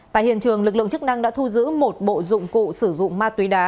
tại hiện trường lực lượng chức năng đã thu giữ một bộ dụng cụ sử dụng ma túy đá